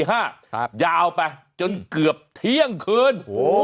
ยาวไปจนเกือบเที่ยงคืน